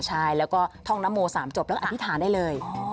ใช่แล้วก็ท่องนโม๓จบแล้วอธิษฐานได้เลย